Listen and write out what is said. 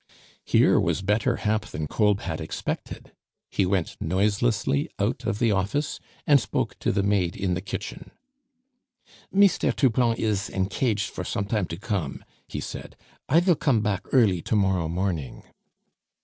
Here was better hap than Kolb had expected! He went noiselessly out of the office, and spoke to the maid in the kitchen. "Meestair Touplon ees encaged for som time to kom," he said; "I vill kom back early to morrow morning."